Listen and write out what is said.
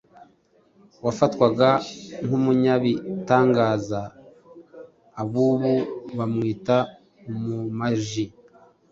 wafatwaga nk’umunyabitangaza ab’ubu bamwita umumaji.